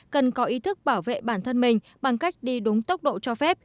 cần có ý thức bảo vệ bản thân mình bằng cách đi đúng tốc độ cho phép